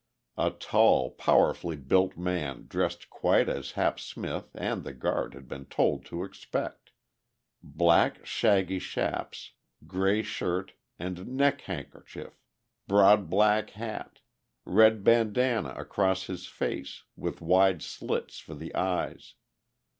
A tall, powerfully built man dressed quite as Hap Smith and the guard had been told to expect: black, shaggy chaps, grey shirt and neck handkerchief; broad black hat; red bandana across his face with wide slits for the eyes.